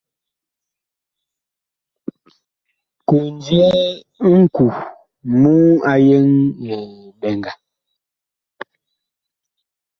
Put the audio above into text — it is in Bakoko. Kondye ŋku muŋ a yeŋ eɓɛnga.